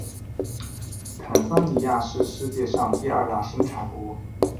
坦桑尼亚是世界上第二大生产国。